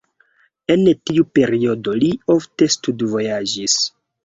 En tiu periodo li ofte studvojaĝis.